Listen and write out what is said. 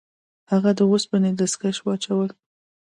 هغه د اوسپنې دستکش واچول.